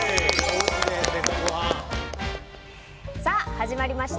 始まりました。